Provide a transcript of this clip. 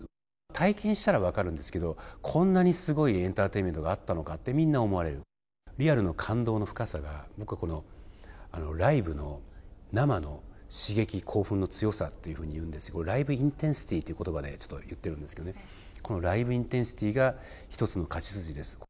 体験したら分かるんですがこんなにすごいエンターテインメントがあったのかと、みんな思われるリアルの感動の深さがライブの生の刺激、興奮の強さというふうに言うんですけどライブインテンシティという言葉で言ってるんですけどライブインテンシティが一つの勝ち筋です。